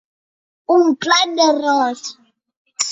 Un plat d'arròs.